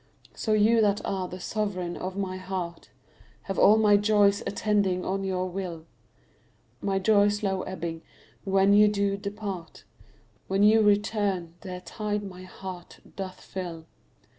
So you that are the sovereign of my heart Have all my joys attending on your will; My joys low ebbing when you do depart, When you return their tide my heart doth fill.